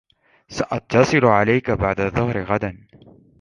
سأتصل عليك بعد ظهر الغد.